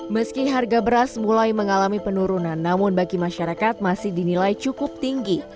meski harga beras mulai mengalami penurunan namun bagi masyarakat masih dinilai cukup tinggi